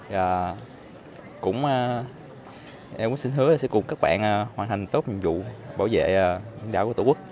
và cũng em xin hứa sẽ cùng các bạn hoàn thành tốt nhiệm vụ bảo vệ đảo của tổ quốc